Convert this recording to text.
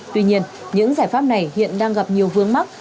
tuy nhiên những giải pháp này hiện đang gặp nhiều vướng mắt